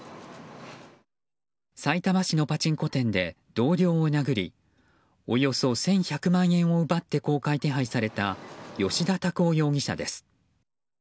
さいたま市のパチンコ店で同僚を殴りおよそ１１００万円を奪って公開手配された葭田拓央容疑者です。